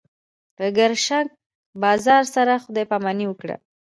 د ګرشک بازار سره خدای پاماني وکړه.